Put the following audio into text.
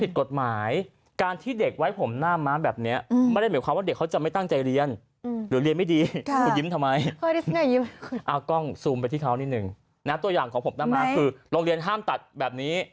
เป็นหมายออกเนี่ยของส์ไว้เรียนไว้ก็จะไม่ตั้งใจเรียนหรือเลียนไม่ดีเนี่ยแวะไปทำไมเผา